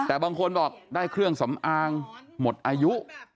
แต่บางคนบอกได้เครื่องสำอางหมดอายุ